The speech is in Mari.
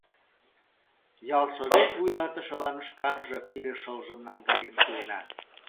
Ялсовет вуйлатышылан шканже пире шылжым наҥгаен пуэна...